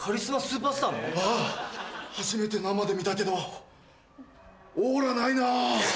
初めて生で見たけどオーラないな。